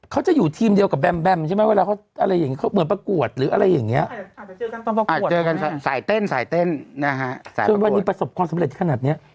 เขาจะอยู่ทีมเดียวกับแบมใช่ไหมเวลาเขาเหมือนประกวดหรืออะไรอย่างนี้